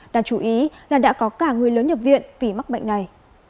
đáng chú ý là đã có cả người lớn nhập viện vì mắc bệnh này